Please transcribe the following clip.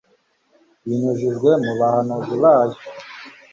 Ibinyujije mu bahanuzi bayo